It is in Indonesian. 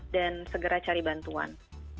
dan segera cari bantuan